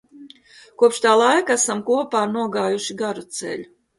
Kopš tā laika esam kopā nogājuši garu ceļu.